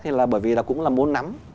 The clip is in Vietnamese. thì là bởi vì là cũng là muốn nắm